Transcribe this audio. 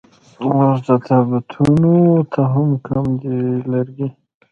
اوس تابوتونو ته هم کم دي لرګي